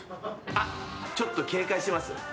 あっちょっと警戒してます？